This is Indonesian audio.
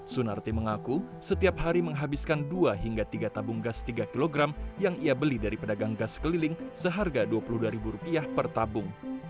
sunarti mengaku setiap hari menghabiskan dua hingga tiga tabung gas tiga kg yang ia beli dari pedagang gas keliling seharga rp dua puluh dua per tabung